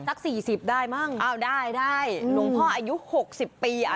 สักสี่สิบได้มั้งอ้าวได้ได้หลวงพ่ออายุหกสิบปีอ่ะ